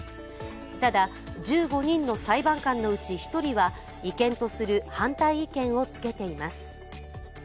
ただ、１５人の裁判官のうち１人は違憲とする反対意見をつけています。